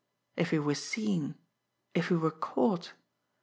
If he were seen if he were caught!